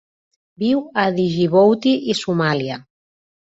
Viu a Djibouti i Somàlia.